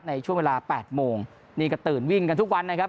ในช่วงเวลา๘โมงนี่ก็ตื่นวิ่งกันทุกวันนะครับ